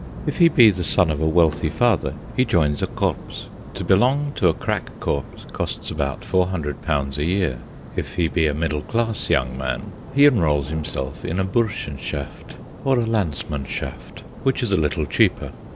If he be the son of a wealthy father he joins a Korps to belong to a crack Korps costs about four hundred pounds a year. If he be a middle class young man, he enrols himself in a Burschenschaft, or a Landsmannschaft, which is a little cheaper.